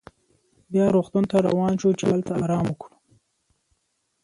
بیا روغتون ته روان شوو چې هلته ارام وکړو.